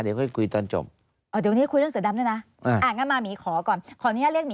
เดี๋ยวก็จะคุยตอนจบ